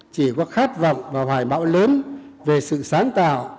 chỉ có khát vọng và hoài bão lớn về sự sáng tạo